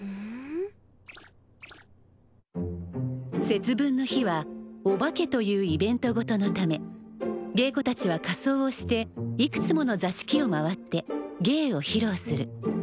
節分の日は「お化け」というイベントごとのため芸妓たちは仮装をしていくつもの座敷を回って芸を披露する。